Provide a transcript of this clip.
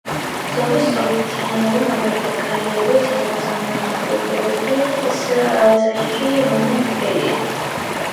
ზოგი სწორფრთიანები, მაგალითად კალიები, სასოფლო-სამეურნეო კულტურების საშიში მავნებელია.